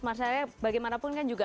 mas arya bagaimanapun kan juga